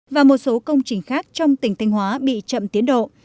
và một số công trình khác trong tỉnh thanh hóa bị chậm tiến độ